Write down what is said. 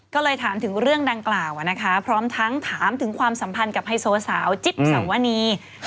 ก็เลยถามถึงเรื่องดังกล่าวนะคะพร้อมทั้งถามถึงความสัมพันธ์กับไฮโซสาวจิ๊บสวนี